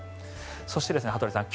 そして、羽鳥さん